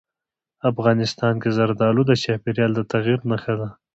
افغانستان کې زردالو د چاپېریال د تغیر نښه ده.